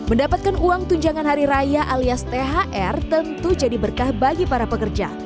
mendapatkan uang tunjangan hari raya alias thr tentu jadi berkah bagi para pekerja